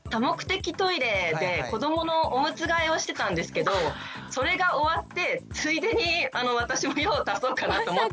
子どものおむつ替えをしてたんですけどそれが終わってついでに私も用を足そうかなと思って。